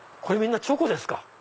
これみんなチョコですか？